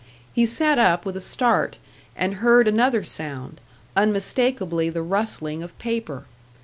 He sat up with a start, and heard another sound, unmistakably the rustling of paper.